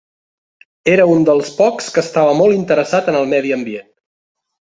Era un dels pocs que estava molt interessat en el medi ambient.